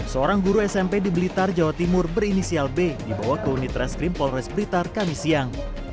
seorang guru smp di blitar jawa timur berinisial b dibawa ke unit reskrim polres blitar kami siang